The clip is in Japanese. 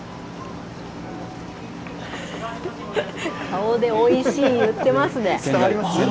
顔でおいしい、言ってますね。